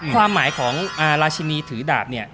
ความหมายของราชินีถือดาบเนี่ย